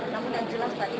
namun yang jelas tadi